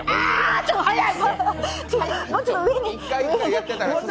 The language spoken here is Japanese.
ちょっと早い！